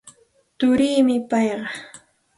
Turiimi payqa.